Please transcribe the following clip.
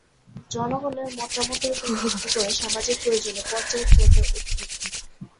জনগণের মতামতের উপর ভিত্তি করে সামাজিক প্রয়োজনে পঞ্চায়েত প্রথার উদ্ভব ঘটে।